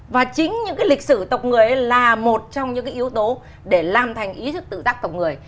và chính những cái lịch sử tộc người ấy là một trong những yếu tố để làm thành ý thức tự giác tộc người